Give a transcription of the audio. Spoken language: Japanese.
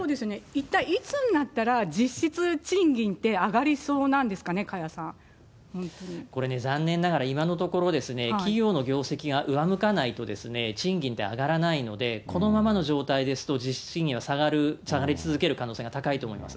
一体、いつになったら、実質賃金って上がりそうなんですかね、これ、残念ながら、今のところですね、企業の業績が上向かないとですね、賃金って上がらないので、このままの状態ですと、実質賃金は下がり続ける可能性が高いと思います。